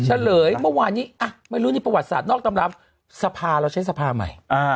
เอ้าสังเกตุธรรมประวัติศาสตร์นอกสำราบสภาเราใช้สภาใหม่